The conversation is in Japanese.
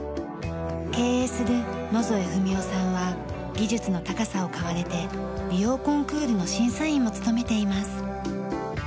経営する野添文雄さんは技術の高さを買われて理容コンクールの審査員も務めています。